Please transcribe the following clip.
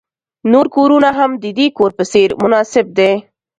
نور کورونه هم د دې کور په څیر مناسب دي